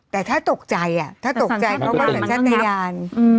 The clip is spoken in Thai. แต่ถ้าตกใจอ่ะถ้าตกใจเพราะว่าเหมือนฉันไม่งับ